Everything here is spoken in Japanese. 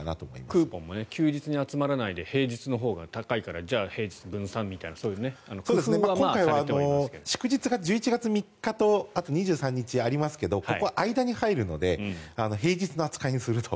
クーポンも休日に集まらないで平日のほうが高いから祝日が１１月３日とあと２３日ありますがここは間に入るので平日の扱いにすると。